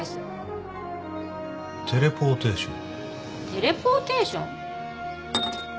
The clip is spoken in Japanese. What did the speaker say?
テレポーテーション？